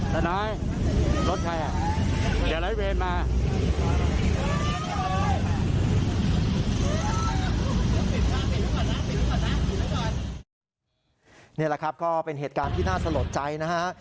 นี่แหละครับก็เป็นเหตุการณ์ที่น่าสลดใจนะฮะ